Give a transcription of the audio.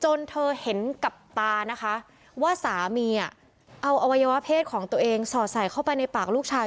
เธอเห็นกับตานะคะว่าสามีเอาอวัยวะเพศของตัวเองสอดใส่เข้าไปในปากลูกชาย